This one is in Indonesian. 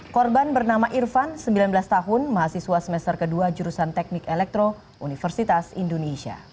korban bernama irvan sembilan belas tahun mahasiswa semester kedua jurusan teknik elektro universitas indonesia